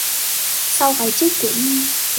Sau cái chết của Nhi